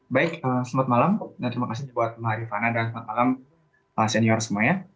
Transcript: baik selamat malam dan terima kasih buat mbak rifana dan selamat malam senior semuanya